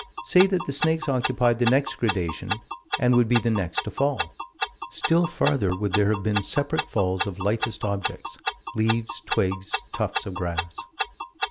Say that the snakes occupied the next gradation, and would be the next to fall. Still farther would there have been separate falls of lightest objects: leaves, twigs, tufts of grass.